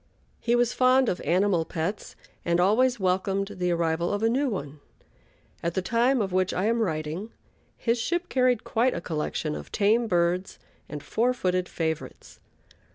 He was fond of animal pets, and always welcomed the arrival of a new one. At the time of which I am writing, his ship carried quite a collection of tame birds and four footed favorites.